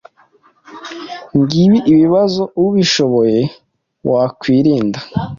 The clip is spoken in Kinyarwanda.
ngibi ibibazo ubishoboye wakwirinda